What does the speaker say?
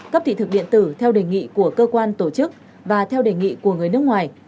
cấp thị thực điện tử theo đề nghị của cơ quan tổ chức và theo đề nghị của người nước ngoài